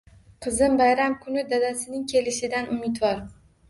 Qizim bayram kuni dadasining kelishidan umidvor